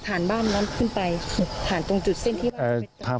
บ้านนั้นขึ้นไปผ่านตรงจุดเส้นที่ว่า